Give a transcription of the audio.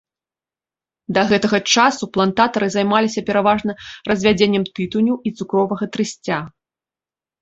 Да гэтага часу плантатары займаліся пераважна развядзеннем тытуню і цукровага трысця.